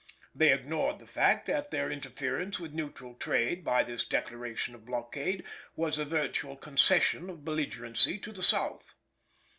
They ignored the fact that their interference with neutral trade, by this declaration of blockade, was a virtual concession of belligerency to the South.